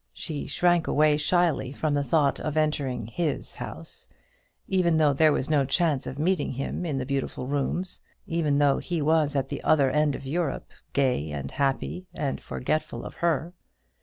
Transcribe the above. She shrank away shyly from the thought of entering his house, even though there was no chance of meeting him in the beautiful rooms; even though he was at the other end of Europe, gay and happy, and forgetful of her.